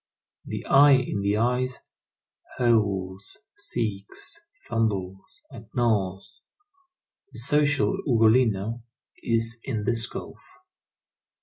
The I in the eyes howls, seeks, fumbles, and gnaws. The social Ugolino is in this gulf.